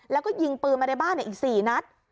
แล้วก็ยิงปืนมาในบ้านอีก๔นัด